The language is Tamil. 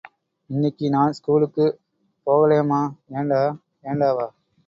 இன்னிக்கு நான் ஸ்கூலுக்குப் போகலேம்மா ஏண்டா? ஏண்டாவா?